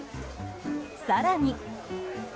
更に。